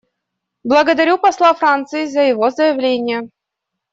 Благодарю посла Франции за его заявление.